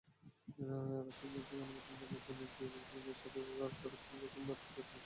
রাষ্ট্রনিয়ন্ত্রিত গণমাধ্যম জানায়, স্থানীয় একটি জলবিদ্যুৎকেন্দ্রের সংরক্ষণাগার থেকে আচমকা পানি ছেড়ে দেওয়া হয়।